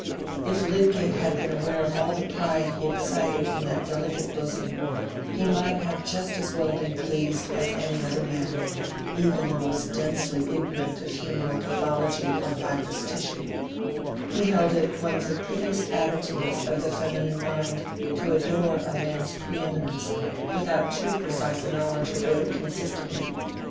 If Lydgate had been aware of all the pride he excited in that delicate bosom, he might have been just as well pleased as any other man, even the most densely ignorant of humoral pathology or fibrous tissue: he held it one of the prettiest attitudes of the feminine mind to adore a man's pre eminence without too precise a knowledge of what it consisted in.